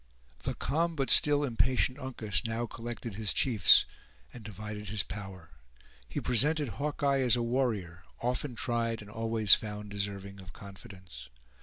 The calm but still impatient Uncas now collected his chiefs, and divided his power. He presented Hawkeye as a warrior, often tried, and always found deserving of confidence.